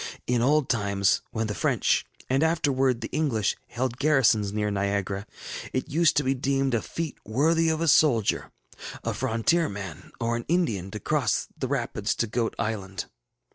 In old times, when the French, and afterwards the English, held garrisons near Niagara, it used to be deemed a feat worthy of a soldier, a frontier man, or an Indian, to cross the rapids to Goat Island.